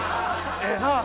ええなあ